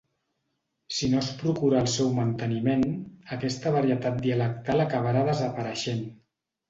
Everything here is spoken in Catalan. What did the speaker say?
Si no es procura el seu manteniment, aquesta varietat dialectal acabarà desapareixent.